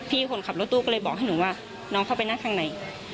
คนขับรถตู้ก็เลยบอกให้หนูว่าน้องเข้าไปนั่งข้างใน